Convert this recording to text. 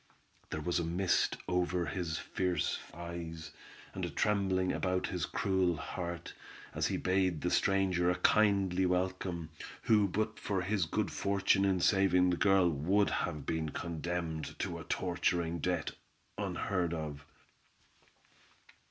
There was a mist over his fierce eyes, and a trembling about his cruel heart, as he bade the stranger a kindly welcome, who but for his good fortune in saving the girl, would have been condemned to a torturing death, unheard of.